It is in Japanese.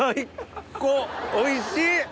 おいしい！